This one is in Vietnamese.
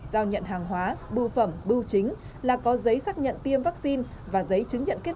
giao nhận hàng hóa bưu phẩm bưu chính là có giấy xác nhận tiêm vaccine và giấy chứng nhận kết